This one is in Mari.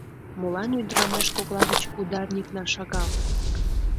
Молан ӱдырамаш кокла гыч ударникна шагал?